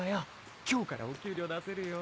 今日からお給料出せるよ。